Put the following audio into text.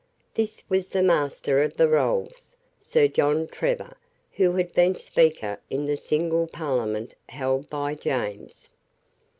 This was the Master of the Rolls, Sir John Trevor, who had been Speaker in the single Parliament held by James.